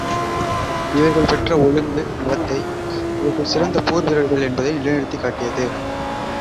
இவர்கள் பெற்ற ஒழுங்கு நடத்தை இவர்கள் சிறந்த போர் வீரர்கள் என்பதை நிலைநிறுத்திக் காட்டியது.